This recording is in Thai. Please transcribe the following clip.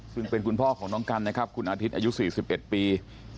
ซึ่งเป็นคุณพ่อของน้องกันนะครับคุณอาทิตย์อายุ๔๑ปี